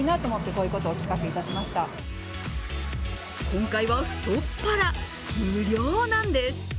今回は太っ腹、無料なんです。